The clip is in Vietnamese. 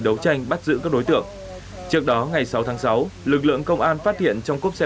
đấu tranh bắt giữ các đối tượng trước đó ngày sáu tháng sáu lực lượng công an phát hiện trong cốp xe